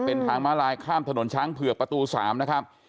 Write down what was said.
เป็นทางม้าลายข้ามถนนช้างเผือกประตู๓นะครับ